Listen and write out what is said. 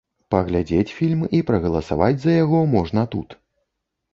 Паглядзець фільм і прагаласаваць за яго можна тут.